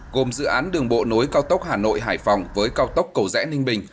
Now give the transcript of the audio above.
gồm dự án đường bộ nối cao tốc hà nội hải phòng với cao tốc cầu rẽ ninh bình